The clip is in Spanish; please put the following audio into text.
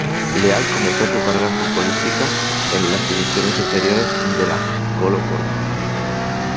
Leal comenzó su carrera futbolística en las divisiones inferiores de la Colo-Colo.